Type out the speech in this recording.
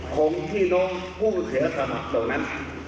ของที่น้องผู้เสียถลับตรงนั้น